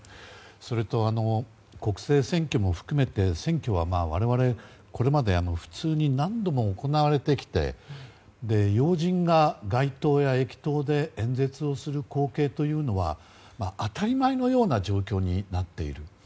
それと、国政選挙も含めて選挙はこれまで普通に何度も行われてきて要人が街頭や駅頭で演説をする光景というのは当たり前のような状況になっている。